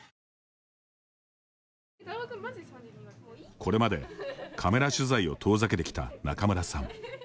これまで、カメラ取材を遠ざけてきた仲邑さん。